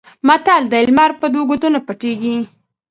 متل دی: لمر په دوو ګوتو نه پټېږي.